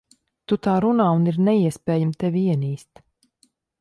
Tu tā runā, un ir neiespējami tevi ienīst.